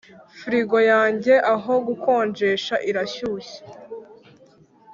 Frigo yanjye ahogukonjesha irashyushya